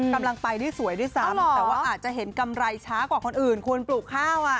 กำลังไปได้สวยด้วยซ้ำแต่ว่าอาจจะเห็นกำไรช้ากว่าคนอื่นคุณปลูกข้าวอ่ะ